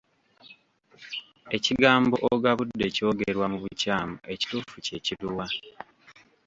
Ekigambo ogabudde kyogerwa mu bukyamu Ekituufu kye kiruwa?